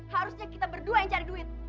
harusnya kita berdua yang cari duit